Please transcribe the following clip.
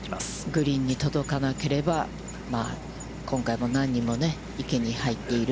グリーンに届かなければ、今回も何人もね、池に入っている、